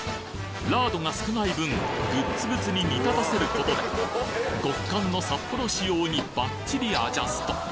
ラードが少ない分グッツグツに煮立たせることで極寒の札幌仕様にバッチリアジャスト！